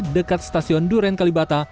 dekat stasiun duren kalibata